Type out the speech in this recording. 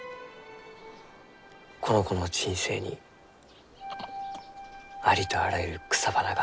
この子の人生にありとあらゆる草花が咲き誇るように。